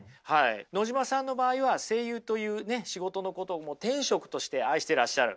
野島さんの場合は声優というね仕事のことを天職として愛していらっしゃる。